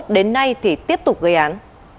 đến nay thì tiếp tục gây án